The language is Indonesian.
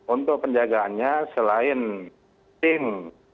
untuk penjagaannya selain tim